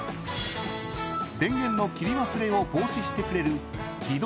［電源の切り忘れを防止してくれる］